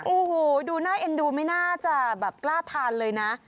โอ้โหดูน่าเอ็นดูไม่น่าจะแบบกล้าทานเลยนะ